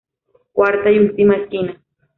Cuarta y última Esquina.